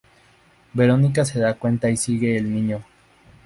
Verónica se da cuenta y sigue el niño.